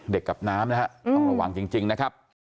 กับน้ำนะฮะต้องระวังจริงนะครับ